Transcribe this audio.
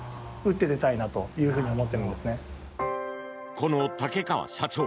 この竹川社長。